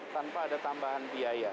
tanpa ada tambahan biaya